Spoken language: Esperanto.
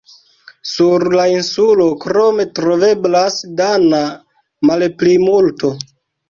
Sur la insulo krome troveblas dana malplimulto.